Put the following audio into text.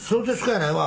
やないわ。